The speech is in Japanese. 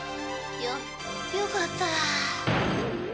よよかった。